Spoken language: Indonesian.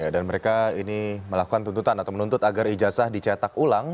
dan mereka ini melakukan tuntutan atau menuntut agar ijasa dicetak ulang